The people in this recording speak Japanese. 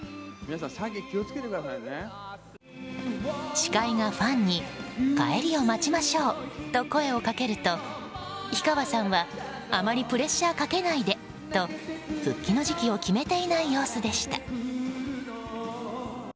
司会がファンに、帰りを待ちましょうと声をかけると氷川さんはあまりプレッシャーかけないでと復帰の時期を決めていない様子でした。